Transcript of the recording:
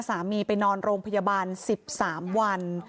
ไปนอนโรงพยาบาล๑๓วัน